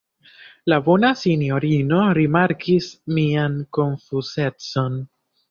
La bona sinjorino rimarkis mian konfuzecon.